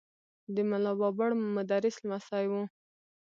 د ملا بابړ مدرس لمسی و.